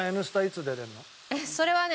それはね